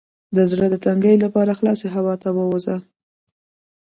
د زړه د تنګي لپاره خلاصې هوا ته ووځئ